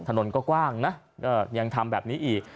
ถนนก็กว้างนะยังทำแบบนี้อีก